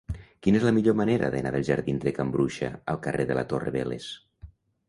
Quina és la millor manera d'anar dels jardins de Can Bruixa al carrer de la Torre Vélez?